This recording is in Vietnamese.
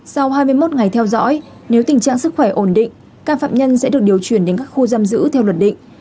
sau hai mươi một ngày theo dõi nếu tình trạng sức khỏe ổn định các phạm nhân sẽ được điều chuyển đến các khu giam giữ theo luật định